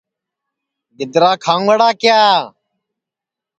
گِدرا کھاؤنگڑا کِیا